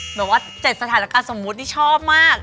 เหมือนว่า๗สถานการณ์สมมุติชอบมาก